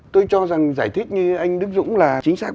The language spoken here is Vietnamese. tôi cho rằng giải thích như anh đức dũng là chính xác